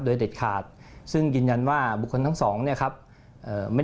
โดยเด็ดขาดซึ่งยืนยันว่าบุคคลทั้งสองเนี่ยครับเอ่อไม่